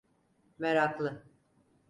Meraklı!